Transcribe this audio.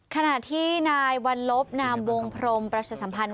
ขณะที่นายวัลลบนามวงพรมประชาสัมพันธ์